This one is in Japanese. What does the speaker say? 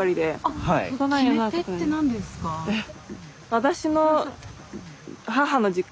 えっ！